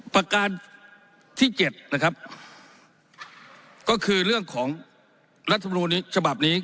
ประการที่เจ็ดนะครับก็คือเรื่องของรัฐมนูลนี้ฉบับนี้